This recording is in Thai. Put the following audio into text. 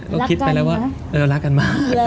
รักกันมา